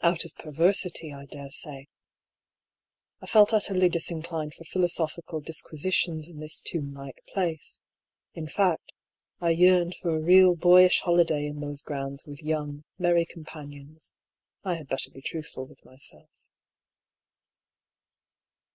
Out of perversity, I daresay, I felt utterly disinclined for philosophical disquisitions in this tomb like place ; in fact, I yearned for a real boyish holiday in those grounds with young, merry companions (I had better be truthful with myself).